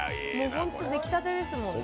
本当に出来立てですもんね。